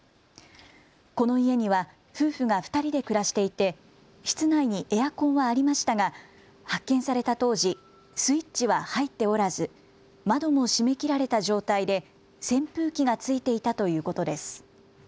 この家には夫婦が２人で暮らしていて室内にエアコンはありましたが発見された当時、スイッチは入っておらず窓も閉めきられた状態で扇風機がついていたということです。